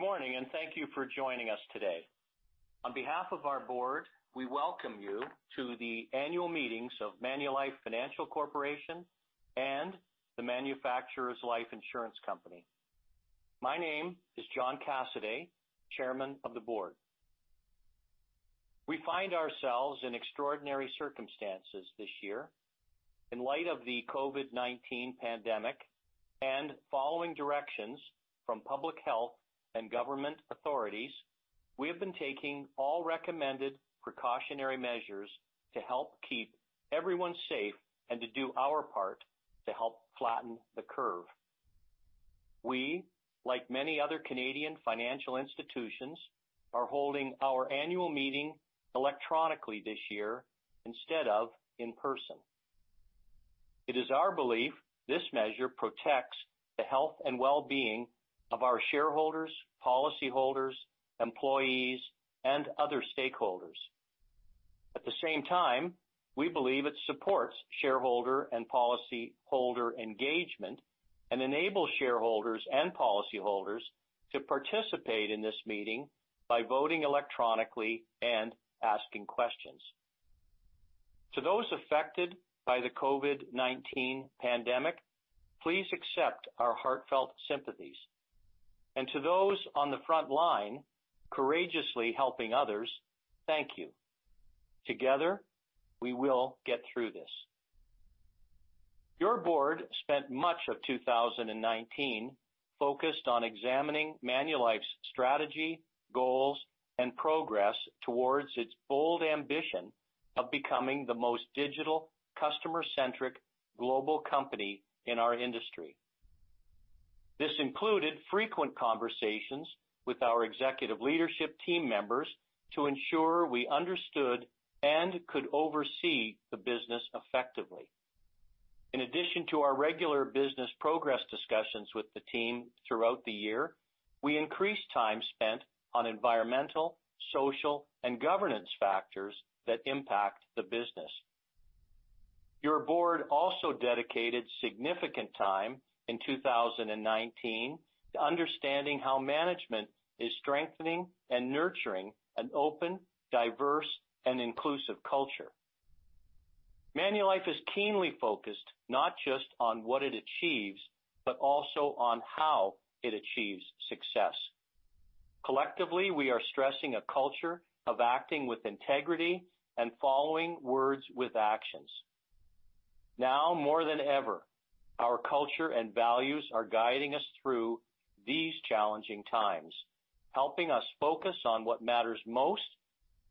Good morning, and thank you for joining us today. On behalf of our Board, we welcome you to the annual meetings of Manulife Financial Corporation and the Manufacturers Life Insurance Company. My name is John Cassaday, Chairman of the Board. We find ourselves in extraordinary circumstances this year. In light of the COVID-19 pandemic and following directions from public health and government authorities, we have been taking all recommended precautionary measures to help keep everyone safe and to do our part to help flatten the curve. We, like many other Canadian financial institutions, are holding our annual meeting electronically this year instead of in person. It is our belief this measure protects the health and well-being of our shareholders, policyholders, employees, and other stakeholders. At the same time, we believe it supports shareholder and policyholder engagement and enables shareholders and policyholders to participate in this meeting by voting electronically and asking questions. To those affected by the COVID-19 pandemic, please accept our heartfelt sympathies. To those on the front line courageously helping others, thank you. Together, we will get through this. Your Board spent much of 2019 focused on examining Manulife's strategy, goals, and progress towards its bold ambition of becoming the most digital, customer-centric global company in our industry. This included frequent conversations with our executive leadership team members to ensure we understood and could oversee the business effectively. In addition to our regular business progress discussions with the team throughout the year, we increased time spent on environmental, social, and governance factors that impact the business. Your Board also dedicated significant time in 2019 to understanding how management is strengthening and nurturing an open, diverse, and inclusive culture. Manulife is keenly focused not just on what it achieves, but also on how it achieves success. Collectively, we are stressing a culture of acting with integrity and following words with actions. Now more than ever, our culture and values are guiding us through these challenging times, helping us focus on what matters most: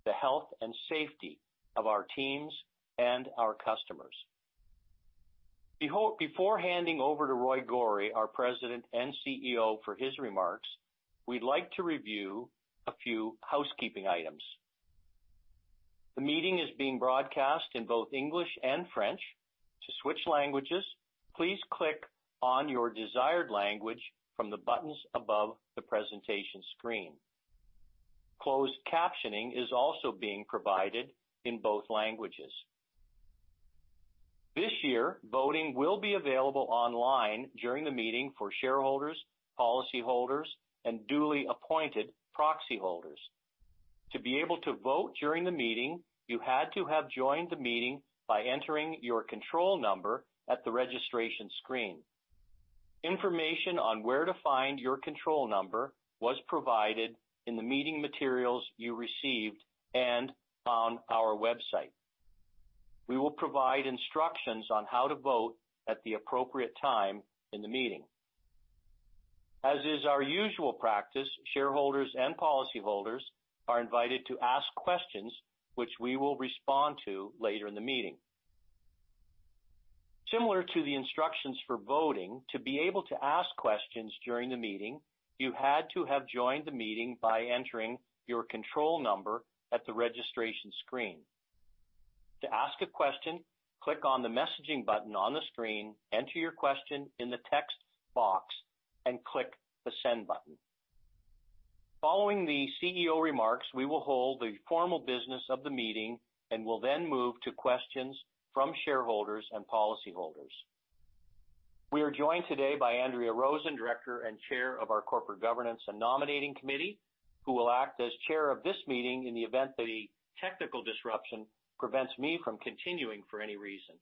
the health and safety of our teams and our customers. Before handing over to Roy Gori, our President and CEO, for his remarks, we'd like to review a few housekeeping items. The meeting is being broadcast in both English and French. To switch languages, please click on your desired language from the buttons above the presentation screen. Closed captioning is also being provided in both languages. This year, voting will be available online during the meeting for shareholders, policyholders, and duly appointed proxy holders. To be able to vote during the meeting, you had to have joined the meeting by entering your control number at the registration screen. Information on where to find your control number was provided in the meeting materials you received and on our website. We will provide instructions on how to vote at the appropriate time in the meeting. As is our usual practice, shareholders and policyholders are invited to ask questions, which we will respond to later in the meeting. Similar to the instructions for voting, to be able to ask questions during the meeting, you had to have joined the meeting by entering your control number at the registration screen. To ask a question, click on the messaging button on the screen, enter your question in the text box, and click the send button. Following the CEO remarks, we will hold the formal business of the meeting and will then move to questions from shareholders and policyholders. We are joined today by Andrea Rosen, Director and Chair of our Corporate Governance and Nominating Committee, who will act as Chair of this meeting in the event that a technical disruption prevents me from continuing for any reason.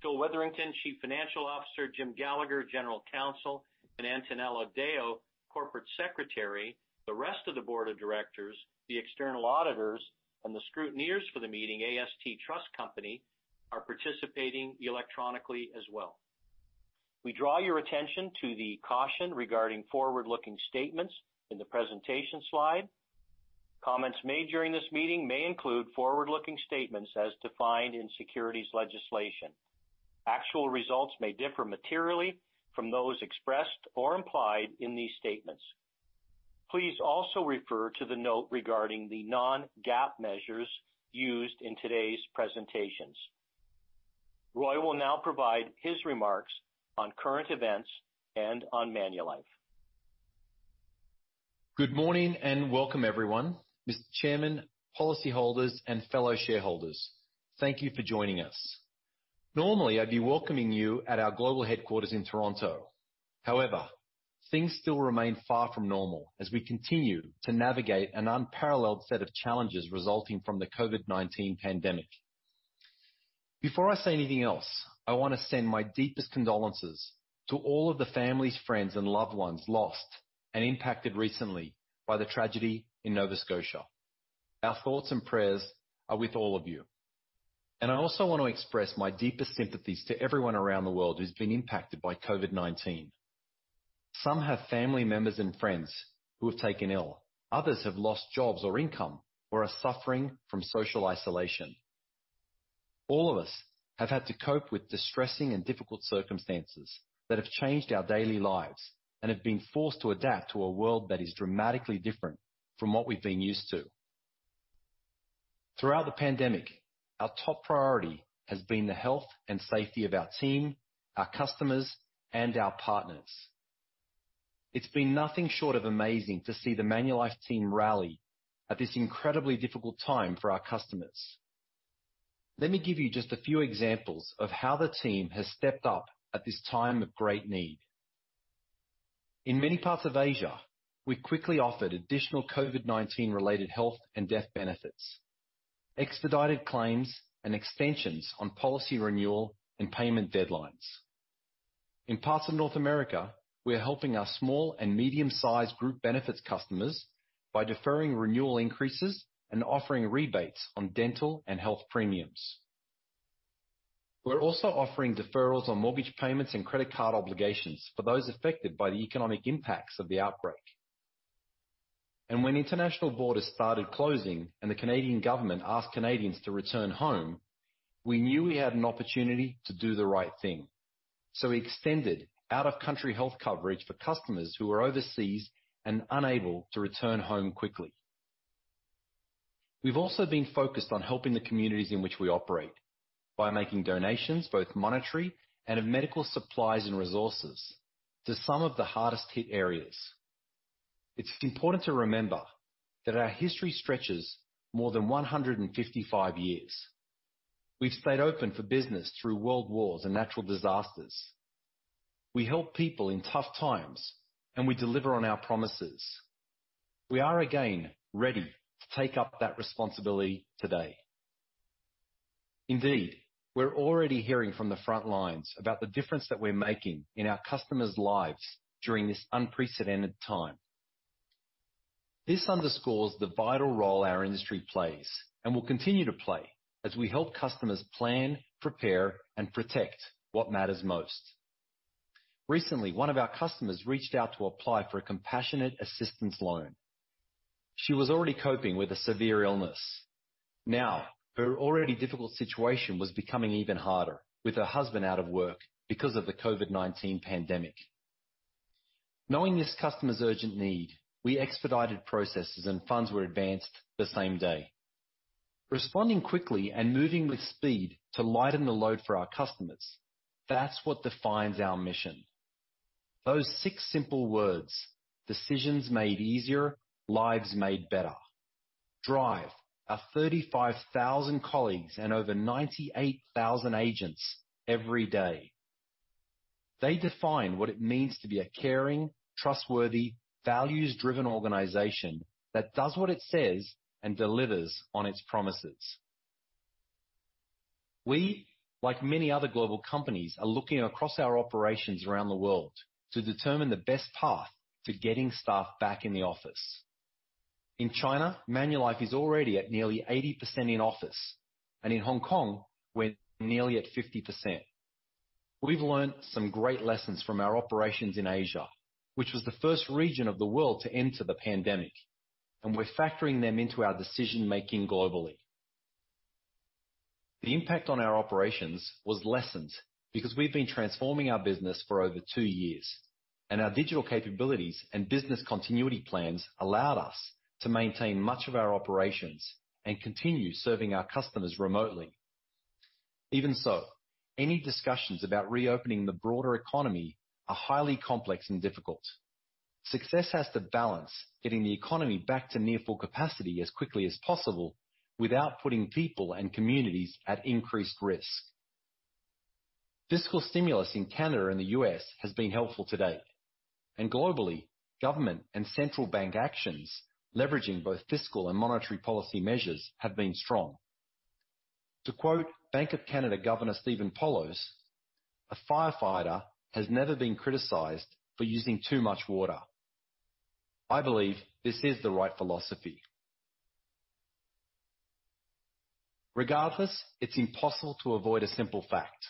Phil Witherington, Chief Financial Officer; Jim Gallagher, General Counsel; and Antonella Deo, Corporate Secretary. The rest of the Board of Directors, the external auditors, and the scrutineers for the meeting, AST Trust Company, are participating electronically as well. We draw your attention to the caution regarding forward-looking statements in the presentation slide. Comments made during this meeting may include forward-looking statements as defined in securities legislation. Actual results may differ materially from those expressed or implied in these statements. Please also refer to the note regarding the non-GAAP measures used in today's presentations. Roy will now provide his remarks on current events and on Manulife. Good morning and welcome, everyone. Mr. Chairman, policyholders, and fellow shareholders, thank you for joining us. Normally, I'd be welcoming you at our global headquarters in Toronto. However, things still remain far from normal as we continue to navigate an unparalleled set of challenges resulting from the COVID-19 pandemic. Before I say anything else, I want to send my deepest condolences to all of the families, friends, and loved ones lost and impacted recently by the tragedy in Nova Scotia. Our thoughts and prayers are with all of you. I also want to express my deepest sympathies to everyone around the world who's been impacted by COVID-19. Some have family members and friends who have taken ill. Others have lost jobs or income or are suffering from social isolation. All of us have had to cope with distressing and difficult circumstances that have changed our daily lives and have been forced to adapt to a world that is dramatically different from what we've been used to. Throughout the pandemic, our top priority has been the health and safety of our team, our customers, and our partners. It's been nothing short of amazing to see the Manulife team rally at this incredibly difficult time for our customers. Let me give you just a few examples of how the team has stepped up at this time of great need. In many parts of Asia, we've quickly offered additional COVID-19-related health and death benefits, expedited claims, and extensions on policy renewal and payment deadlines. In parts of North America, we're helping our small and medium-sized group benefits customers by deferring renewal increases and offering rebates on dental and health premiums. We are also offering deferrals on mortgage payments and credit card obligations for those affected by the economic impacts of the outbreak. When the international border started closing and the Canadian government asked Canadians to return home, we knew we had an opportunity to do the right thing. We extended out-of-country health coverage for customers who were overseas and unable to return home quickly. We have also been focused on helping the communities in which we operate by making donations, both monetary and of medical supplies and resources, to some of the hardest-hit areas. It is important to remember that our history stretches more than 155 years. We have stayed open for business through world wars and natural disasters. We help people in tough times, and we deliver on our promises. We are again ready to take up that responsibility today. Indeed, we're already hearing from the front lines about the difference that we're making in our customers' lives during this unprecedented time. This underscores the vital role our industry plays and will continue to play as we help customers plan, prepare, and protect what matters most. Recently, one of our customers reached out to apply for a compassionate assistance loan. She was already coping with a severe illness. Now, her already difficult situation was becoming even harder with her husband out of work because of the COVID-19 pandemic. Knowing this customer's urgent need, we expedited processes and funds were advanced the same day. Responding quickly and moving with speed to lighten the load for our customers, that's what defines our mission. Those six simple words: decisions made easier, lives made better. Drive our 35,000 colleagues and over 98,000 agents every day. They define what it means to be a caring, trustworthy, values-driven organization that does what it says and delivers on its promises. We, like many other global companies, are looking across our operations around the world to determine the best path to getting staff back in the office. In China, Manulife is already at nearly 80% in office, and in Hong Kong, we're nearly at 50%. We've learned some great lessons from our operations in Asia, which was the first region of the world to enter the pandemic, and we're factoring them into our decision-making globally. The impact on our operations was lessened because we've been transforming our business for over two years, and our digital capabilities and business continuity plans allowed us to maintain much of our operations and continue serving our customers remotely. Even so, any discussions about reopening the broader economy are highly complex and difficult. Success has to balance getting the economy back to near full capacity as quickly as possible without putting people and communities at increased risk. Fiscal stimulus in Canada and the U.S. has been helpful to date, and globally, government and central bank actions leveraging both fiscal and monetary policy measures have been strong. To quote Bank of Canada Governor Stephen Poloz, "A firefighter has never been criticized for using too much water. I believe this is the right philosophy." Regardless, it's impossible to avoid a simple fact: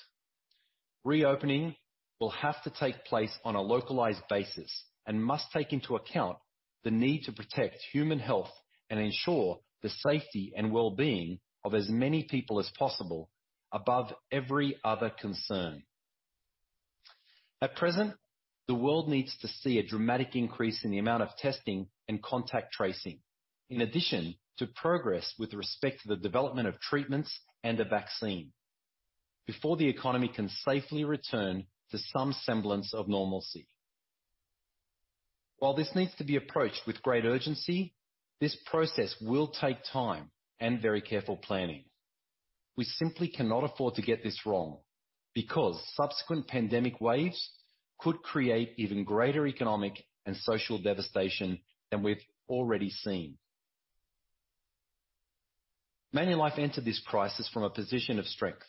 reopening will have to take place on a localized basis and must take into account the need to protect human health and ensure the safety and well-being of as many people as possible above every other concern. At present, the world needs to see a dramatic increase in the amount of testing and contact tracing, in addition to progress with respect to the development of treatments and a vaccine, before the economy can safely return to some semblance of normalcy. While this needs to be approached with great urgency, this process will take time and very careful planning. We simply cannot afford to get this wrong because subsequent pandemic waves could create even greater economic and social devastation than we've already seen. Manulife entered this crisis from a position of strength,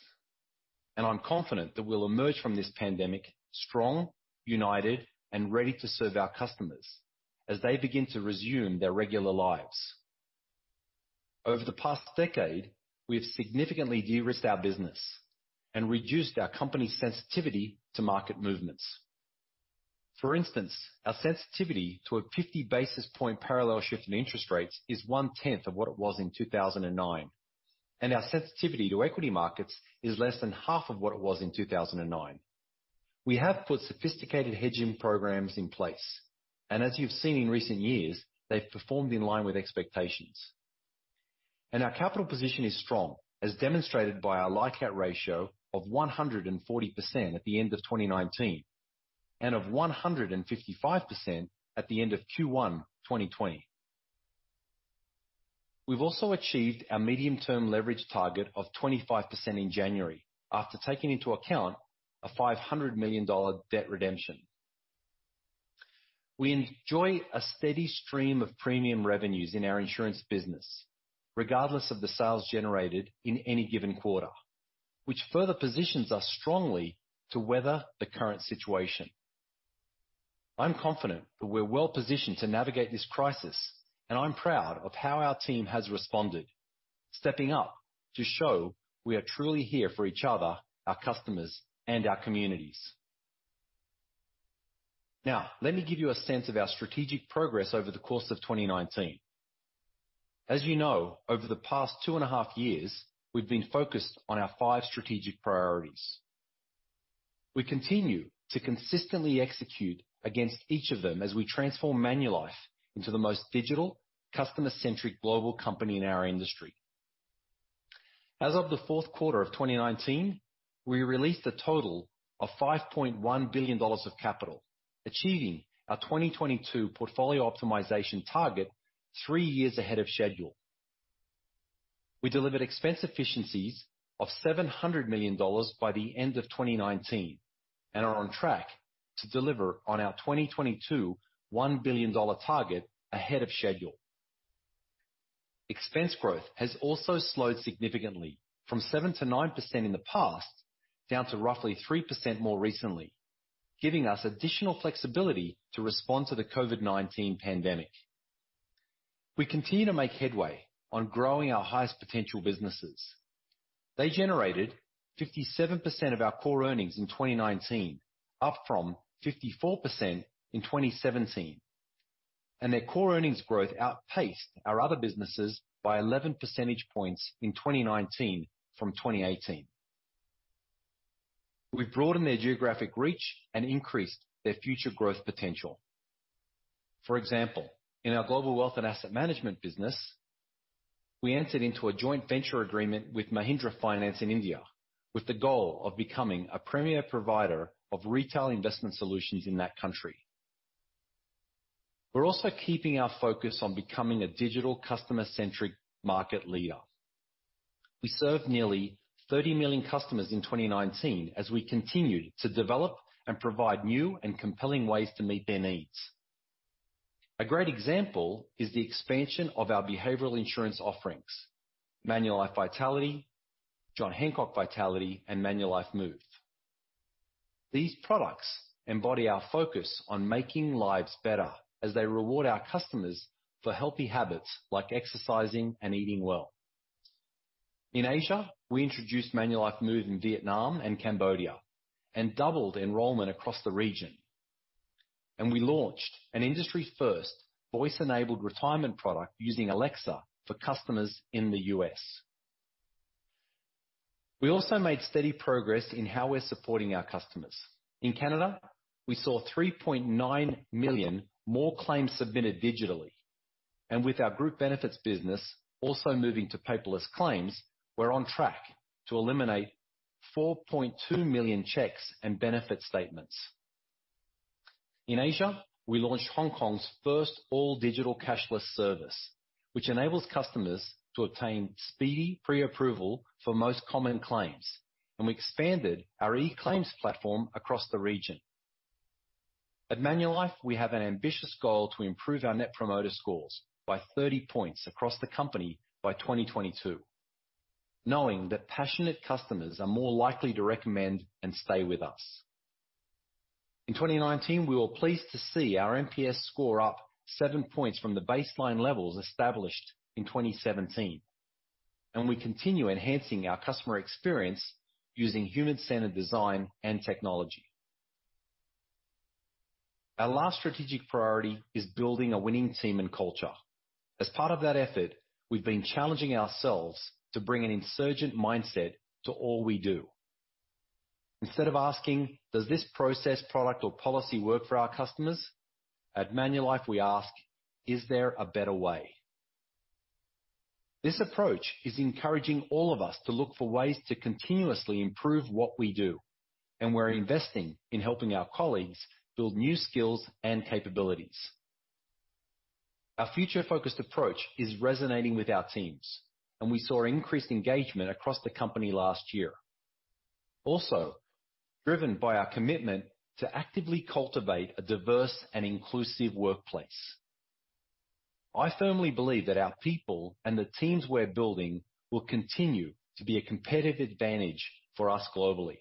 and I'm confident that we'll emerge from this pandemic strong, united, and ready to serve our customers as they begin to resume their regular lives. Over the past decade, we have significantly de-risked our business and reduced our company's sensitivity to market movements. For instance, our sensitivity to a 50 basis point parallel shift in interest rates is 1/10 of what it was in 2009, and our sensitivity to equity markets is less than half of what it was in 2009. We have put sophisticated hedging programs in place, and as you've seen in recent years, they've performed in line with expectations. Our capital position is strong, as demonstrated by our LICAT ratio of 140% at the end of 2019 and of 155% at the end of Q1 2020. We've also achieved our medium-term leverage target of 25% in January after taking into account a $500 million debt redemption. We enjoy a steady stream of premium revenues in our insurance business, regardless of the sales generated in any given quarter, which further positions us strongly to weather the current situation. I'm confident that we're well positioned to navigate this crisis, and I'm proud of how our team has responded, stepping up to show we are truly here for each other, our customers, and our communities. Now, let me give you a sense of our strategic progress over the course of 2019. As you know, over the past 2.5 years, we've been focused on our five strategic priorities. We continue to consistently execute against each of them as we transform Manulife into the most digital, customer-centric global company in our industry. As of the fourth quarter of 2019, we released a total of $5.1 billion of capital, achieving our 2022 portfolio optimization target three years ahead of schedule. We delivered expense efficiencies of $700 million by the end of 2019 and are on track to deliver on our 2022 $1 billion target ahead of schedule. Expense growth has also slowed significantly from 7%-9% in the past down to roughly 3% more recently, giving us additional flexibility to respond to the COVID-19 pandemic. We continue to make headway on growing our highest potential businesses. They generated 57% of our core earnings in 2019, up from 54% in 2017, and their core earnings growth outpaced our other businesses by 11 percentage points in 2019 from 2018. We've broadened their geographic reach and increased their future growth potential. For example, in our Global Wealth and Asset Management business, we entered into a joint venture agreement with Mahindra Finance in India, with the goal of becoming a premier provider of retail investment solutions in that country. We're also keeping our focus on becoming a digital customer-centric market leader. We served nearly 30 million customers in 2019 as we continued to develop and provide new and compelling ways to meet their needs. A great example is the expansion of our behavioral insurance offerings: Manulife Vitality, John Hancock Vitality, and ManulifeMOVE. These products embody our focus on making lives better as they reward our customers for healthy habits like exercising and eating well. In Asia, we introduced ManulifeMOVE in Vietnam and Cambodia and doubled enrollment across the region. We launched an industry-first voice-enabled retirement product using Alexa for customers in the U.S. We also made steady progress in how we're supporting our customers. In Canada, we saw 3.9 million more claims submitted digitally. With our group benefits business also moving to paperless claims, we're on track to eliminate 4.2 million checks and benefit statements. In Asia, we launched Hong Kong's first all-digital cashless service, which enables customers to obtain speedy pre-approval for most common claims, and we expanded our e-claims platform across the region. At Manulife, we have an ambitious goal to improve our Net Promoter Scores by 30 points across the company by 2022, knowing that passionate customers are more likely to recommend and stay with us. In 2019, we were pleased to see our NPS score up 7 points from the baseline levels established in 2017, and we continue enhancing our customer experience using human-centered design and technology. Our last strategic priority is building a winning team and culture. As part of that effort, we've been challenging ourselves to bring an insurgent mindset to all we do. Instead of asking, "Does this process, product, or policy work for our customers?" at Manulife, we ask, "Is there a better way?" This approach is encouraging all of us to look for ways to continuously improve what we do, and we're investing in helping our colleagues build new skills and capabilities. Our future-focused approach is resonating with our teams, and we saw increased engagement across the company last year, also driven by our commitment to actively cultivate a diverse and inclusive workplace. I firmly believe that our people and the teams we're building will continue to be a competitive advantage for us globally.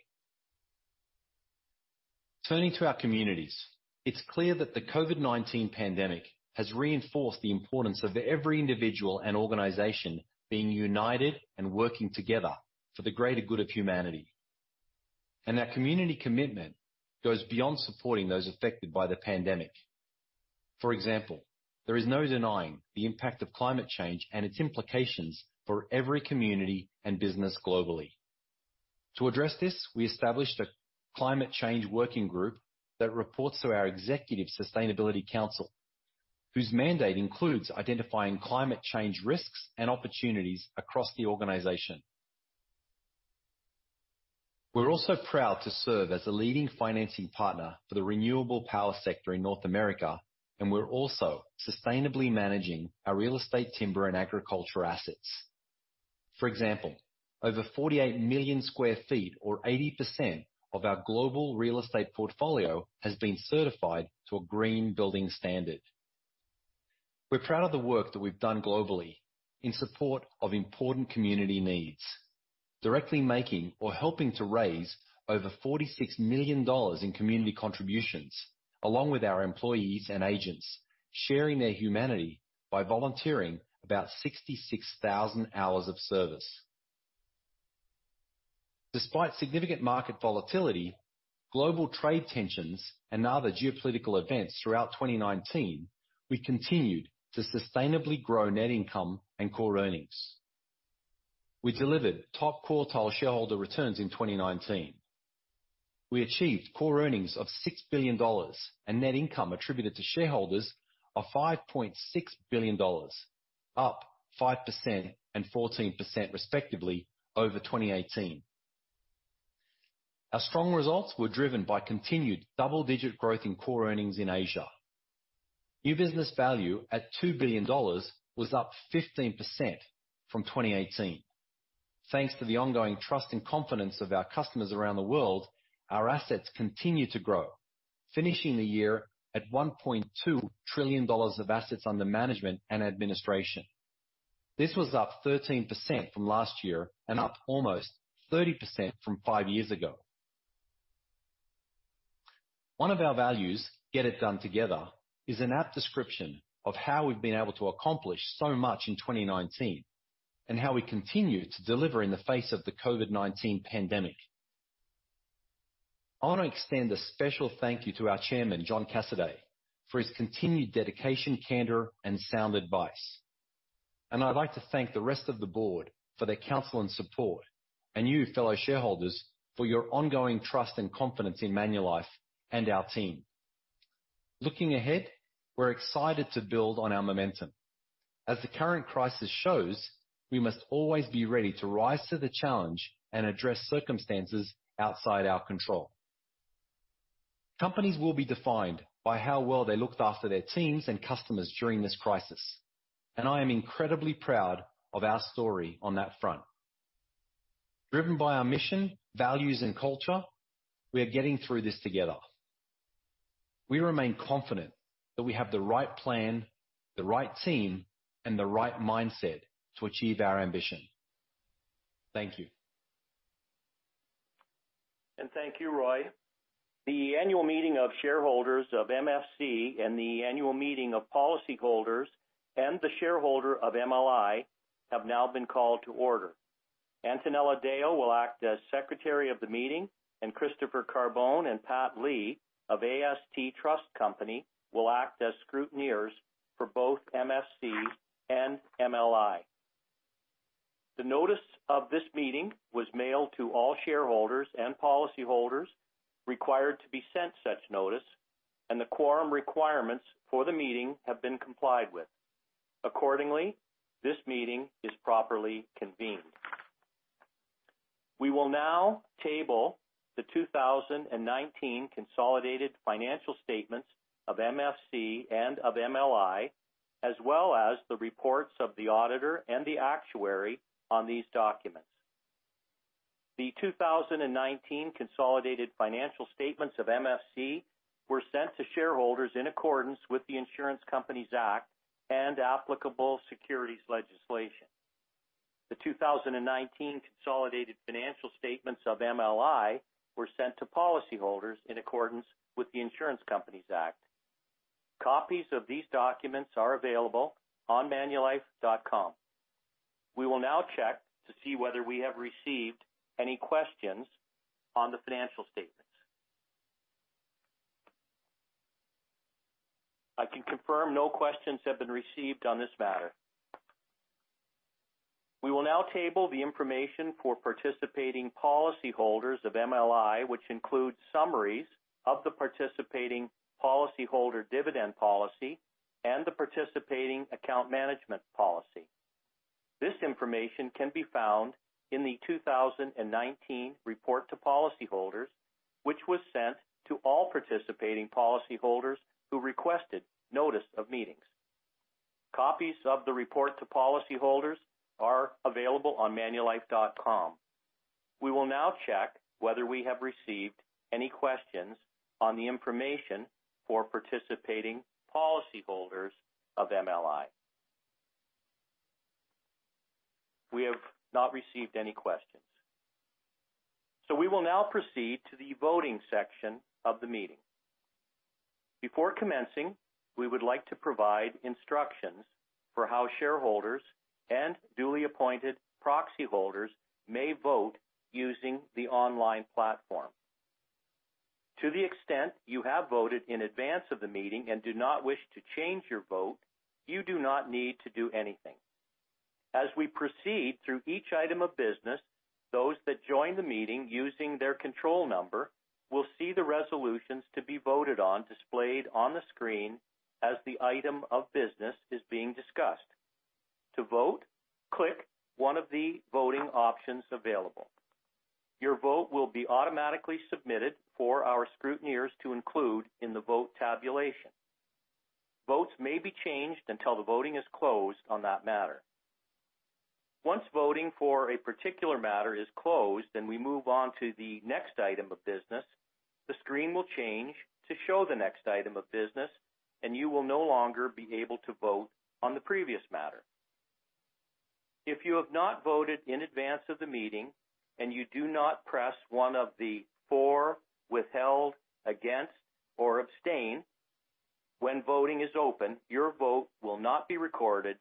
Turning to our communities, it is clear that the COVID-19 pandemic has reinforced the importance of every individual and organization being united and working together for the greater good of humanity. Our community commitment goes beyond supporting those affected by the pandemic. For example, there is no denying the impact of climate change and its implications for every community and business globally. To address this, we established a Climate Change Working Group that reports to our Executive Sustainability Council, whose mandate includes identifying climate change risks and opportunities across the organization. We're also proud to serve as a leading financing partner for the renewable power sector in North America, and we're also sustainably managing our real estate, timber, and agriculture assets. For example, over 48 million sq ft, or 80% of our global real estate portfolio, has been certified to a green building standard. We're proud of the work that we've done globally in support of important community needs, directly making or helping to raise over $46 million in community contributions, along with our employees and agents sharing their humanity by volunteering about 66,000 hours of service. Despite significant market volatility, global trade tensions, and other geopolitical events throughout 2019, we continued to sustainably grow net income and core earnings. We delivered top quartile shareholder returns in 2019. We achieved core earnings of $6 billion, and net income attributed to shareholders of $5.6 billion, up 5% and 14% respectively over 2018. Our strong results were driven by continued double-digit growth in core earnings in Asia. New business value at $2 billion was up 15% from 2018. Thanks to the ongoing trust and confidence of our customers around the world, our assets continue to grow, finishing the year at $1.2 trillion of assets under management and administration. This was up 13% from last year and up almost 30% from five years ago. One of our values, "Get it done together," is an apt description of how we've been able to accomplish so much in 2019 and how we continue to deliver in the face of the COVID-19 pandemic. I want to extend a special thank you to our Chairman, John Cassaday, for his continued dedication, candor, and sound advice. I would like to thank the rest of the Board for their counsel and support, and you, fellow shareholders, for your ongoing trust and confidence in Manulife and our team. Looking ahead, we're excited to build on our momentum. As the current crisis shows, we must always be ready to rise to the challenge and address circumstances outside our control. Companies will be defined by how well they looked after their teams and customers during this crisis, and I am incredibly proud of our story on that front. Driven by our mission, values, and culture, we are getting through this together. We remain confident that we have the right plan, the right team, and the right mindset to achieve our ambition. Thank you. Thank you, Roy. The annual meeting of shareholders of MFC and the annual meeting of policyholders and the shareholder of MLI have now been called to order. Antonella Deo will act as Secretary of the meeting, and Christopher Carbone and Pat Lee of AST Trust Company will act as scrutineers for both MFC and MLI. The notice of this meeting was mailed to all shareholders and policyholders required to be sent such notice, and the quorum requirements for the meeting have been complied with. Accordingly, this meeting is properly convened. We will now table the 2019 Consolidated Financial Statements of MFC and of MLI, as well as the reports of the auditor and the actuary on these documents. The 2019 Consolidated Financial Statements of MFC were sent to shareholders in accordance with the Insurance Companies Act and applicable securities legislation. The 2019 Consolidated Financial Statements of MLI were sent to policyholders in accordance with the Insurance Companies Act. Copies of these documents are available on manulife.com. We will now check to see whether we have received any questions on the financial statements. I can confirm no questions have been received on this matter. We will now table the information for participating policyholders of MLI, which includes summaries of the Participating Policyholder Dividend Policy and the Participating Account Management Policy. This information can be found in the 2019 Report to Policyholders, which was sent to all participating policyholders who requested notice of meetings. Copies of the Report to Policyholders are available on manulife.com. We will now check whether we have received any questions on the information for participating policyholders of MLI. We have not received any questions. We will now proceed to the voting section of the meeting. Before commencing, we would like to provide instructions for how shareholders and duly appointed proxy holders may vote using the online platform. To the extent you have voted in advance of the meeting and do not wish to change your vote, you do not need to do anything. As we proceed through each item of business, those that join the meeting using their control number will see the resolutions to be voted on displayed on the screen as the item of business is being discussed. To vote, click one of the voting options available. Your vote will be automatically submitted for our scrutineers to include in the vote tabulation. Votes may be changed until the voting is closed on that matter. Once voting for a particular matter is closed and we move on to the next item of business, the screen will change to show the next item of business, and you will no longer be able to vote on the previous matter. If you have not voted in advance of the meeting and you do not press one of the four withheld, against, or abstain, when voting is open, your vote will not be recorded,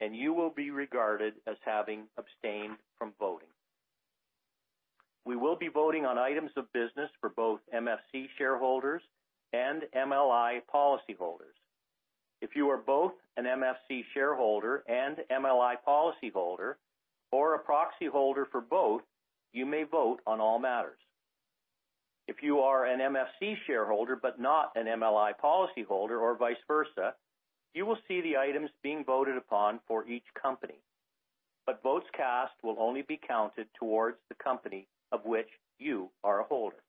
and you will be regarded as having abstained from voting. We will be voting on items of business for both MFC shareholders and MLI policyholders. If you are both an MFC shareholder and MLI policyholder or a proxy holder for both, you may vote on all matters. If you are an MFC shareholder but not an MLI policyholder or vice versa, you will see the items being voted upon for each company. But votes cast will only be counted towards the company of which you are a holder.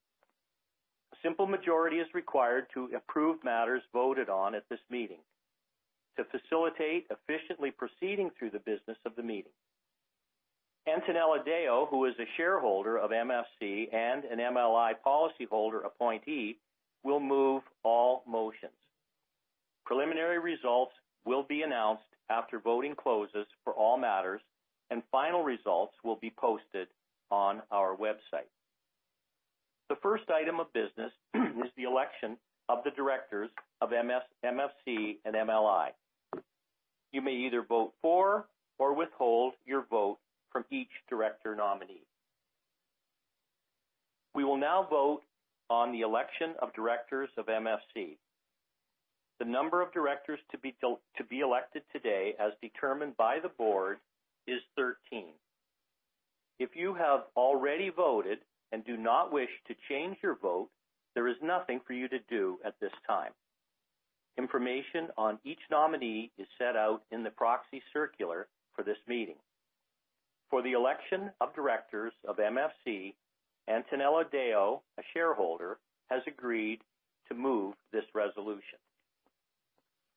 A simple majority is required to approve matters voted on at this meeting to facilitate efficiently proceeding through the business of the meeting. Antonella Deo, who is a shareholder of MFC and an MLI policyholder appointee, will move all motions. Preliminary results will be announced after voting closes for all matters, and final results will be posted on our website. The first item of business is the election of the directors of MFC and MLI. You may either vote for or withhold your vote from each director nominee. We will now vote on the election of directors of MFC. The number of directors to be elected today, as determined by the Board, is 13. If you have already voted and do not wish to change your vote, there is nothing for you to do at this time. Information on each nominee is set out in the Proxy Circular for this meeting. For the election of directors of MFC, Antonella Deo, a shareholder, has agreed to move this resolution.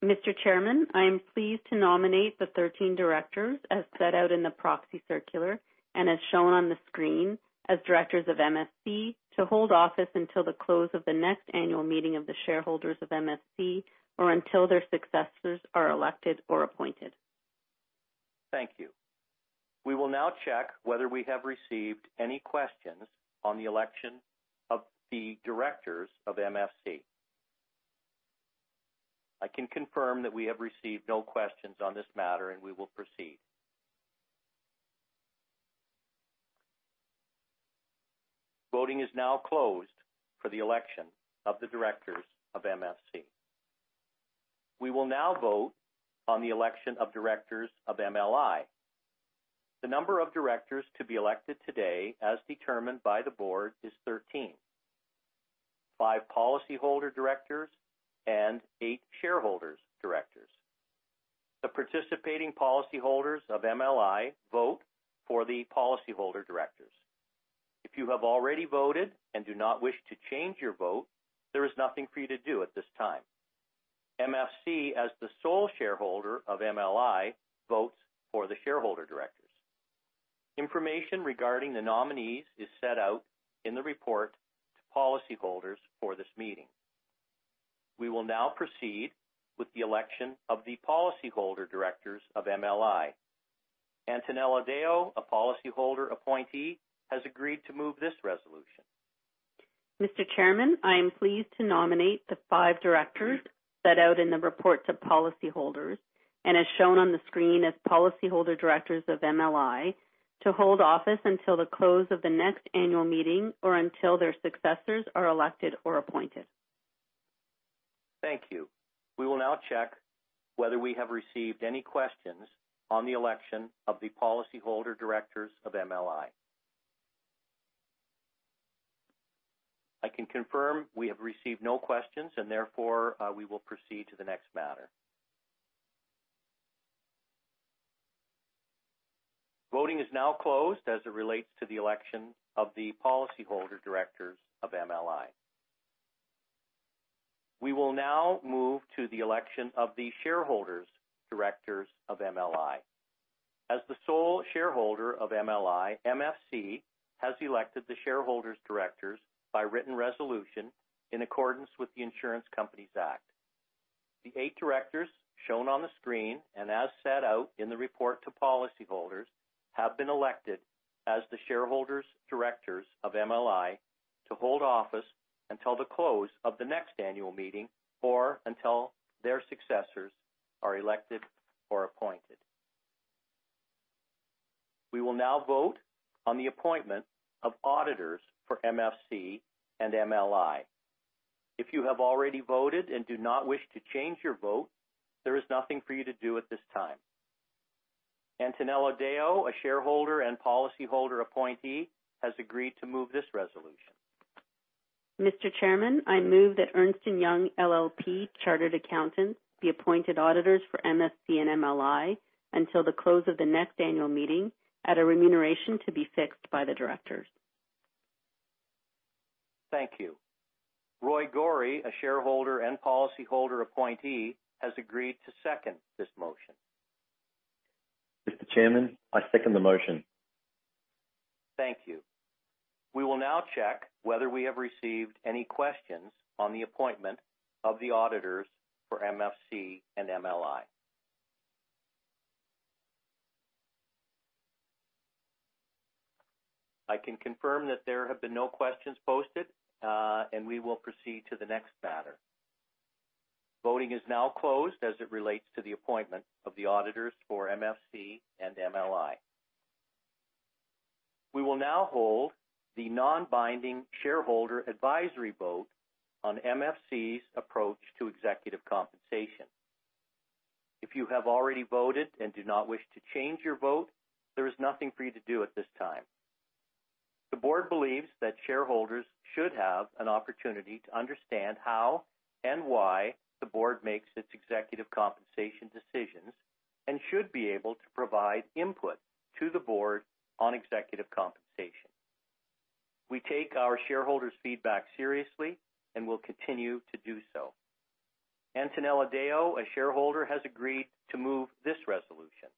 Mr. Chairman, I am pleased to nominate the 13 directors as set out in the Proxy Circular and as shown on the screen as directors of MFC to hold office until the close of the next annual meeting of the shareholders of MFC or until their successors are elected or appointed. Thank you. We will now check whether we have received any questions on the election of the directors of MFC. I can confirm that we have received no questions on this matter, and we will proceed. Voting is now closed for the election of the directors of MFC. We will now vote on the election of directors of MLI. The number of directors to be elected today, as determined by the Board, is 13. Five policyholder directors and eight shareholders' directors. The participating policyholders of MLI vote for the policyholder directors. If you have already voted and do not wish to change your vote, there is nothing for you to do at this time. MFC, as the sole shareholder of MLI, votes for the shareholder directors. Information regarding the nominees is set out in the Report to Policyholders for this meeting. We will now proceed with the election of the policyholder directors of MLI. Antonella Deo, a policyholder appointee, has agreed to move this resolution. Mr. Chairman, I am pleased to nominate the five directors set out in the Report to Policyholders and as shown on the screen as policyholder directors of MLI to hold office until the close of the next annual meeting or until their successors are elected or appointed. Thank you. We will now check whether we have received any questions on the election of the policyholder directors of MLI. I can confirm we have received no questions, and therefore we will proceed to the next matter. Voting is now closed as it relates to the election of the policyholder directors of MLI. We will now move to the election of the shareholders' directors of MLI. As the sole shareholder of MLI, MFC has elected the shareholders' directors by written resolution in accordance with the Insurance Companies Act. The eight directors shown on the screen and as set out in the Report to Policyholders have been elected as the shareholders' directors of MLI to hold office until the close of the next annual meeting or until their successors are elected or appointed. We will now vote on the appointment of auditors for MFC and MLI. If you have already voted and do not wish to change your vote, there is nothing for you to do at this time. Antonella Deo, a shareholder and policyholder appointee, has agreed to move this resolution. Mr. Chairman, I move that Ernst & Young LLP, Chartered Accountants, be appointed auditors for MFC and MLI until the close of the next annual meeting at a remuneration to be fixed by the directors. Thank you. Roy Gori, a shareholder and policyholder appointee, has agreed to second this motion. Mr. Chairman, I second the motion. Thank you. We will now check whether we have received any questions on the appointment of the auditors for MFC and MLI. I can confirm that there have been no questions posted, and we will proceed to the next matter. Voting is now closed as it relates to the appointment of the auditors for MFC and MLI. We will now hold the non-binding shareholder advisory vote on MFC's approach to executive compensation. If you have already voted and do not wish to change your vote, there is nothing for you to do at this time. The Board believes that shareholders should have an opportunity to understand how and why the Board makes its executive compensation decisions and should be able to provide input to the Board on executive compensation. We take our shareholders' feedback seriously and will continue to do so. Antonella Deo, a shareholder, has agreed to move this resolution.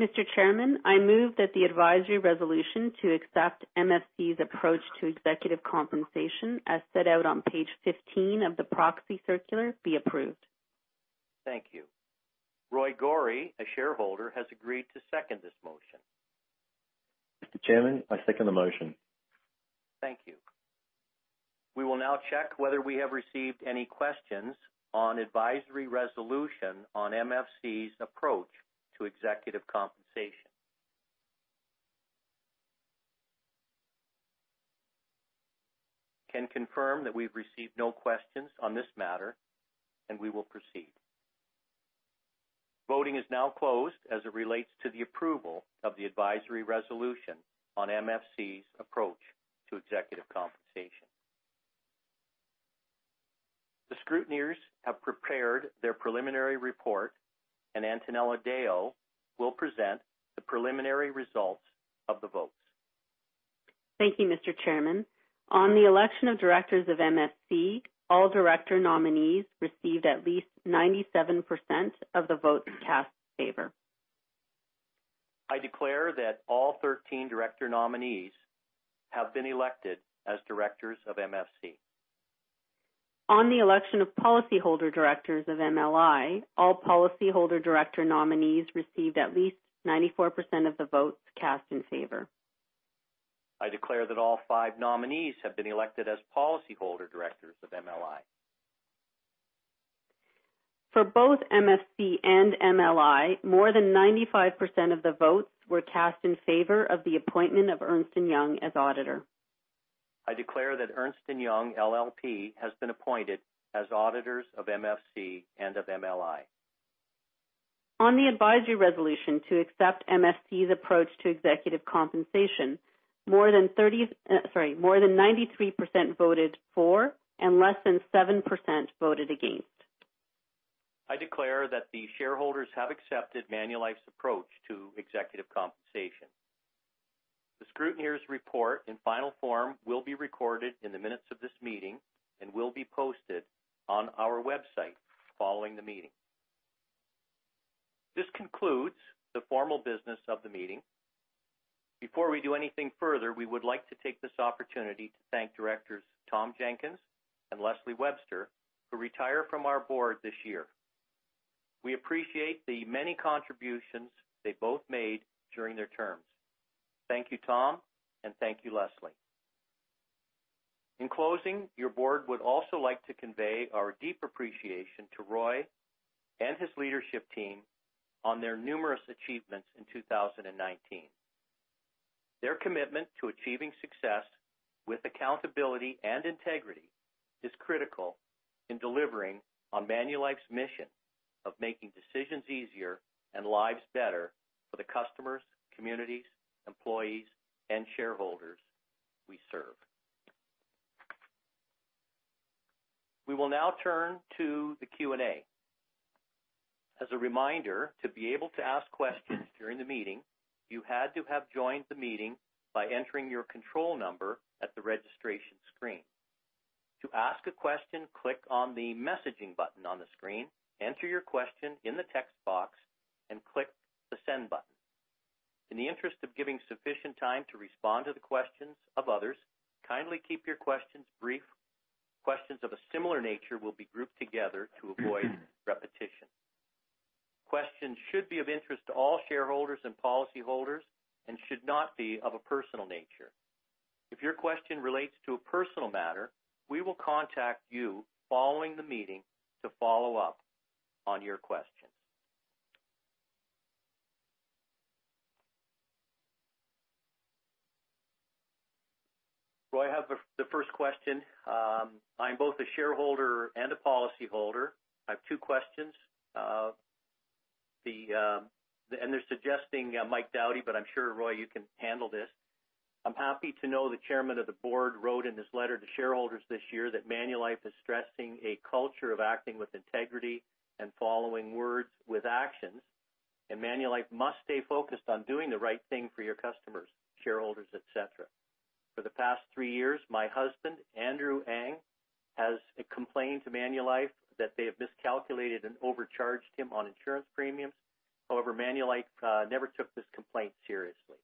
Mr. Chairman, I move that the advisory resolution to accept MFC's approach to executive compensation as set out on page 15 of the Proxy Circular be approved. Thank you. Roy Gori, a shareholder, has agreed to second this motion. Mr. Chairman, I second the motion. Thank you. We will now check whether we have received any questions on advisory resolution on MFC's approach to executive compensation. I can confirm that we've received no questions on this matter, and we will proceed. Voting is now closed as it relates to the approval of the advisory resolution on MFC's approach to executive compensation. The scrutineers have prepared their preliminary report, and Antonella Deo will present the preliminary results of the votes. Thank you, Mr. Chairman. On the election of directors of MFC, all director nominees received at least 97% of the votes cast in favor. I declare that all 13 director nominees have been elected as directors of MFC. On the election of policyholder directors of MLI, all policyholder director nominees received at least 94% of the votes cast in favor. I declare that all five nominees have been elected as policyholder directors of MLI. For both MFC and MLI, more than 95% of the votes were cast in favor of the appointment of Ernst & Young as auditor. I declare that Ernst & Young LLP has been appointed as auditors of MFC and of MLI. On the advisory resolution to accept MFC's approach to executive compensation, more than 93% voted for and less than 7% voted against. I declare that the shareholders have accepted Manulife's approach to executive compensation. The scrutineers' report in final form will be recorded in the minutes of this meeting and will be posted on our website following the meeting. This concludes the formal business of the meeting. Before we do anything further, we would like to take this opportunity to thank Directors Tom Jenkins and Lesley Webster who retire from our Board this year. We appreciate the many contributions they both made during their terms. Thank you, Tom, and thank you, Lesley. In closing, your Board would also like to convey our deep appreciation to Roy and his leadership team on their numerous achievements in 2019. Their commitment to achieving success with accountability and integrity is critical in delivering on Manulife's mission of making decisions easier and lives better for the customers, communities, employees, and shareholders we serve. We will now turn to the Q&A. As a reminder, to be able to ask questions during the meeting, you had to have joined the meeting by entering your control number at the registration screen. To ask a question, click on the messaging button on the screen, enter your question in the text box, and click the send button. In the interest of giving sufficient time to respond to the questions of others, kindly keep your questions brief. Questions of a similar nature will be grouped together to avoid repetition. Questions should be of interest to all shareholders and policyholders and should not be of a personal nature. If your question relates to a personal matter, we will contact you following the meeting to follow up on your questions. Roy has the first question. I'm both a shareholder and a policyholder. I have two questions. They're suggesting Mike Doughty, but I'm sure, Roy, you can handle this. I'm happy to know the Chairman of the Board wrote in his letter to shareholders this year that Manulife is stressing a culture of acting with integrity and following words with actions, and Manulife must stay focused on doing the right thing for your customers, shareholders, etc. For the past three years, my husband, Andrew Ng, has complained to Manulife that they have miscalculated and overcharged him on insurance premiums. However, Manulife never took this complaint seriously.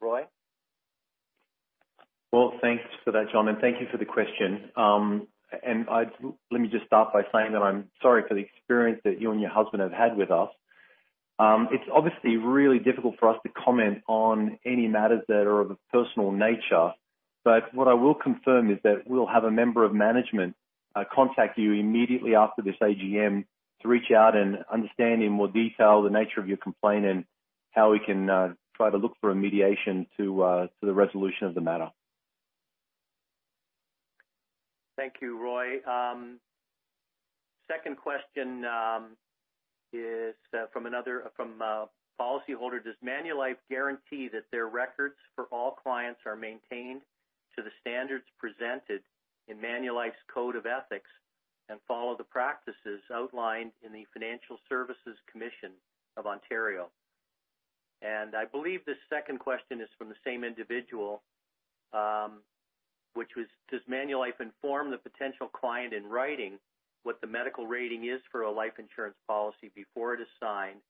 Roy? Thank you for that, John, and thank you for the question. Let me just start by saying that I'm sorry for the experience that you and your husband have had with us. It's obviously really difficult for us to comment on any matters that are of a personal nature, but what I will confirm is that we'll have a member of management contact you immediately after this AGM to reach out and understand in more detail the nature of your complaint and how we can try to look for a mediation to the resolution of the matter. Thank you, Roy. Second question is from another policyholder. Does Manulife guarantee that their records for all clients are maintained to the standards presented in Manulife's Code of Ethics and follow the practices outlined in the Financial Services Commission of Ontario? I believe the second question is from the same individual, which was, does Manulife inform the potential client in writing what the medical rating is for a life insurance policy before it is signed,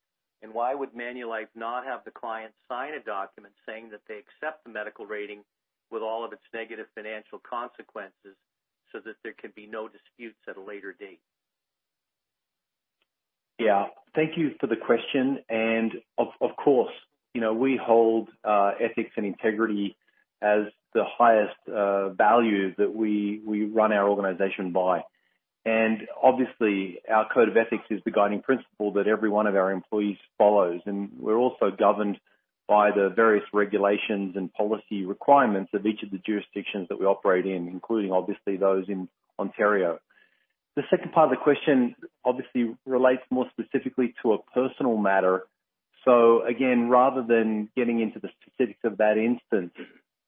and why would Manulife not have the client sign a document saying that they accept the medical rating with all of its negative financial consequences so that there can be no disputes at a later date? Yeah. Thank you for the question. Of course, we hold ethics and integrity as the highest value that we run our organization by. Obviously, our Code of Ethics is the guiding principle that every one of our employees follows, and we're also governed by the various regulations and policy requirements of each of the jurisdictions that we operate in, including obviously those in Ontario. The second part of the question obviously relates more specifically to a personal matter. Rather than getting into the specifics of that instance,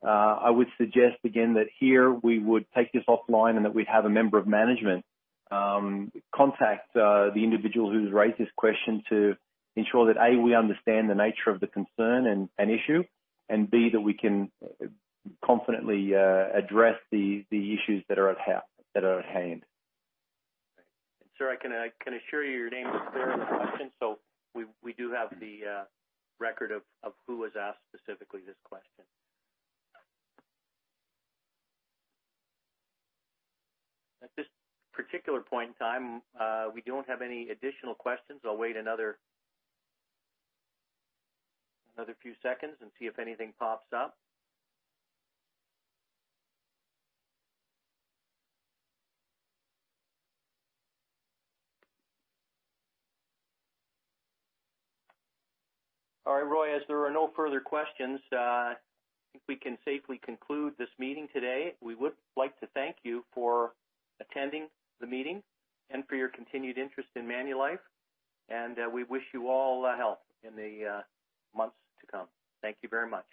I would suggest again that here we would take this offline and that we'd have a member of management contact the individual who's raised this question to ensure that, A, we understand the nature of the concern and issue, and B, that we can confidently address the issues that are at hand. Sir, I can assure you your name is clear in the question, so we do have the record of who has asked specifically this question. At this particular point in time, we don't have any additional questions. I'll wait another few seconds and see if anything pops up. All right, Roy, as there are no further questions, I think we can safely conclude this meeting today. We would like to thank you for attending the meeting and for your continued interest in Manulife, and we wish you all health in the months to come. Thank you very much.